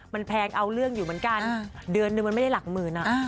มันแพงเอาเรื่องอยู่เหมือนกันเดือนนึงมันไม่ได้หลักหมื่น